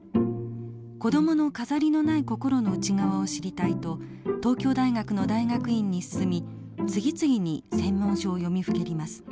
子供の飾りのない心の内側を知りたいと東京大学の大学院に進み次々に専門書を読みふけります。